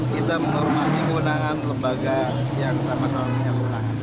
kita menghormati kewenangan lembaga yang sama sama punya kewenangan